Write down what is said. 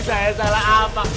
saya salah apa